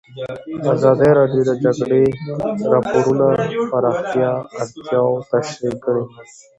ازادي راډیو د د جګړې راپورونه د پراختیا اړتیاوې تشریح کړي.